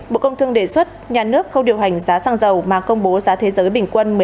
bộ công thương đề xuất nhà nước không điều hành giá xăng dầu mà công bố giá thế giới bình quân